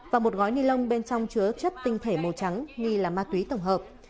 và một gói ni lông bên trong chứa chất tinh thể màu trắng nghi là ma túy tổng hợp